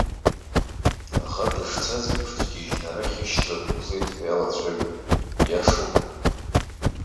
Аӷа дышцаз еиԥш дгьежьны арахь ишьҭра дықәлеит ҳәа иалацәажәоит, иашоума?